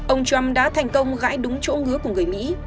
ông trump đã thành công gãi đúng chỗ ngứa của người mỹ